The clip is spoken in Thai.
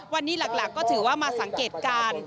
วันนี้หลักก็ถือว่ามาสังเกตการณ์